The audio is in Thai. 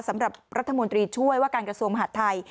สำหรับรัฐมนตรีช่วยว่าการกระทรวงมหาดไทย